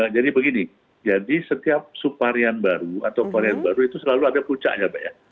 jadi begini jadi setiap sop varian baru atau varian baru itu selalu ada puncak ya pak ya